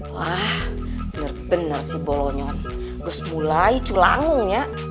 wah bener bener sih bolonyon gua semulai culangunya